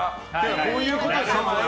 こういうことですね。